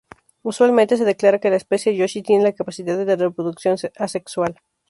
Usualmente se declara que la especie Yoshi tiene la capacidad de la reproducción asexual.